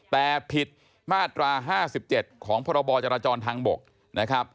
แต่ผิดมาตรา๕๗ของพรบจราจรทางบกนะครับ